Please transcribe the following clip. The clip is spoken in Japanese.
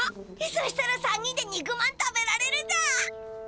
そしたら３人で肉まん食べられるだ。